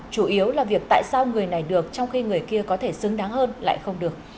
chủ yếu là việc tại sao người này được trong khi người kia có thể xứng đáng hơn lại không được